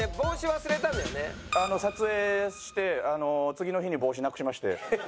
撮影して次の日に帽子なくしまして。